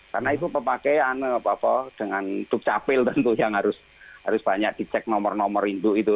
karena itu pemakaian dengan tubcapil tentu yang harus banyak dicek nomor nomor itu